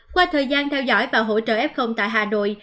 qua thời gian theo dõi và hỗ trợ f tại hà nội